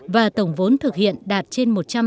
và tổng vốn thực hiện đạt trên một trăm tám mươi